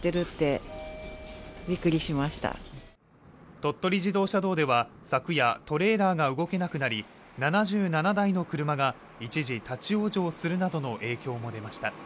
鳥取自動車道では昨夜トレーラーが動けなくなり７７台の車が一時立往生するなどの影響も出ました